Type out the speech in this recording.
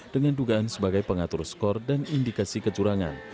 dengan dugaan sebagai pengatur skor dan indikasi kecurangan